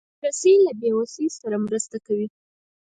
رسۍ له بېوسۍ سره مرسته کوي.